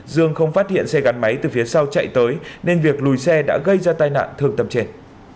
dương không phát hiện xe gắn máy từ phía sau chạy tới nên việc lùi xe đã gây ra tai nạn thương tâm trên